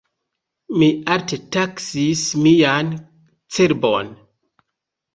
Mi alte taksis mian cerbon.